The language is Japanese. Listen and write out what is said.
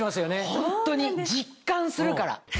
ホントに実感するから。